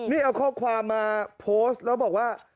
นี่เอาข้อความมาโพสต์แล้วบอกว่า